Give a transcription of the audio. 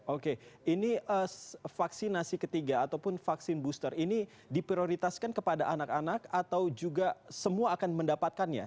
oke ini vaksinasi ketiga ataupun vaksin booster ini diprioritaskan kepada anak anak atau juga semua akan mendapatkannya